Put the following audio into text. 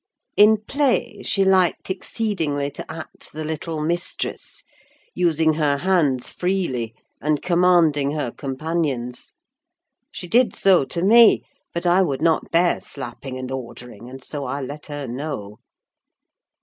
In play, she liked exceedingly to act the little mistress; using her hands freely, and commanding her companions: she did so to me, but I would not bear slapping and ordering; and so I let her know.